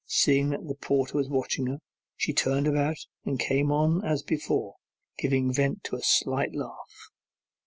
Seeing that the porter was watching her, she turned about and came on as before, giving vent to a slight laugh.